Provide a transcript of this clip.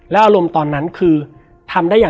แล้วสักครั้งหนึ่งเขารู้สึกอึดอัดที่หน้าอก